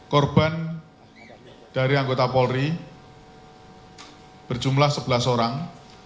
korban dari anggota polri berjumlah sebelas orang